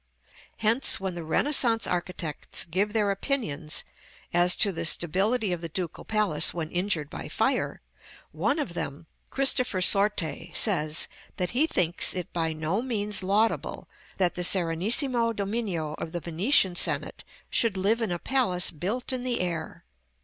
Hence, when the Renaissance architects give their opinions as to the stability of the Ducal Palace when injured by fire, one of them, Christofore Sorte, says, that he thinks it by no means laudable that the "Serenissimo Dominio" of the Venetian senate "should live in a palace built in the air."